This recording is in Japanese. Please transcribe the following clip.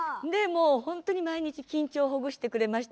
毎日緊張をほぐしてくれました。